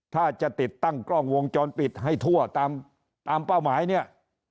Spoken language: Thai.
ถ้าจะติดตั้งกล้องวงจรปิดให้ทั่วตามเป้าหมายเนี่ย